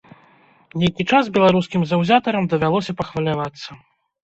Нейкі час беларускім заўзятарам давялося пахвалявацца.